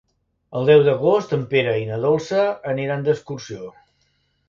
El deu d'agost en Pere i na Dolça aniran d'excursió.